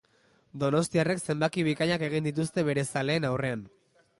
Donostiarrek zenbaki bikainak egin dituzte bere zaleen aurrean.